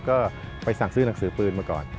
ก็ไปสั่งซื้อหนังสือปืนมาก่อน